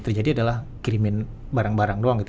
terjadi adalah kirimin barang barang doang gitu